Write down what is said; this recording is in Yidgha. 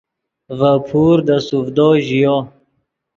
ڤے پور دے سوڤدو ژیو